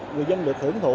người dân được thưởng thụ